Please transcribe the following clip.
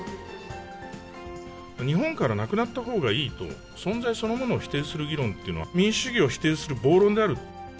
日本からなくなったほうがいいと、存在そのものを否定する議論というのは、民主主義を否定する暴論である。